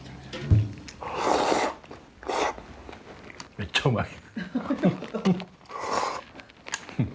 めっちゃうまい。